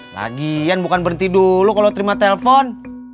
lagian bukan berhenti dulu kalau terima telpon